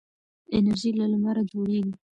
انرژي له لمره جوړیږي.